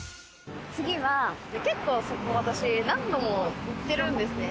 次は、結構何度も行ってるんですね。